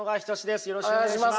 よろしくお願いします。